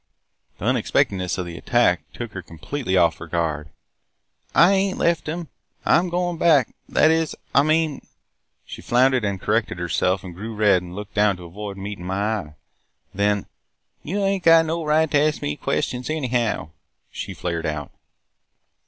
"The unexpectedness of the attack took her completely off her guard. 'I ain't left them! I 'm goin' back – that is – I mean –' she floundered and corrected herself and grew red and looked down to avoid meeting my eye. Then, 'You ain't got no right to ask me questions anyhow!' she flared out.